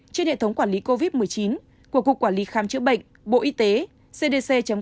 trên hệ thống quản lý covid một mươi chín của cục quản lý khám chữa bệnh